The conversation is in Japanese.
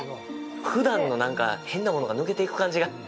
ふだんの、なんか、変なものが抜けていく感じが。